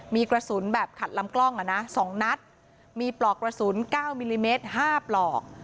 มีกระสุนแบบขัดลำกล้องอ่ะนะ๒นัดมีปลอกกระสุน๙มิลลิเมตร๕ปลอก